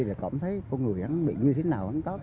thì cũng thấy con người bị như thế nào